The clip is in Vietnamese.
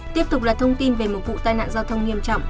tiếp tục là thông tin về một vụ tai nạn giao thông nghiêm trọng